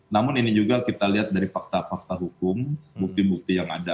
namun ini juga kita lihat dari fakta fakta hukum bukti bukti yang ada